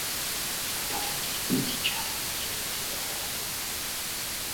Мы должны действовать сейчас и действовать безотлагательно.